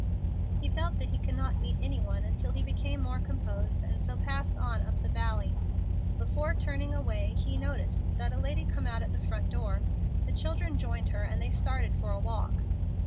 He felt that he could not meet any one until he became more composed, and so passed on up the valley. Before turning away he noticed that a lady come out at the front door. The children joined her, and they started for a walk.